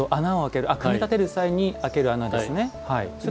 組み立てる際にあける穴ですね。